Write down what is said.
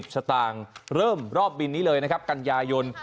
สตางค์เริ่มรอบบินนี้เลยนะครับกันยายน